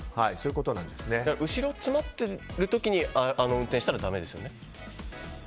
後ろ、詰まっている時にあの運転をしたらだめですよね。